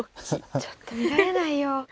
ちょっと見られないよ。